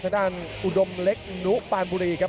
ด้านอุดมเล็กนุปานบุรีครับ